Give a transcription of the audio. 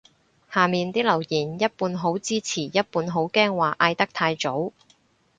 下面啲留言一半好支持一半好驚話嗌得太早